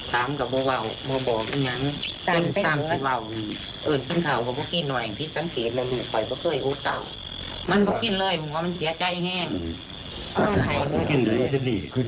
หลังจากก็ยอมโหนะว่าคนอื่น